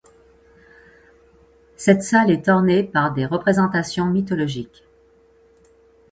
Cette salle est ornées par des représentations mythologiques.